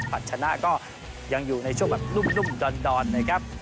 ผลัดชนะก็ยังอยู่ในช่วงแบบนุ่มดอนนะครับ